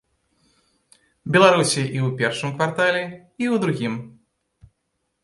Беларусі і ў першым квартале, і ў другім.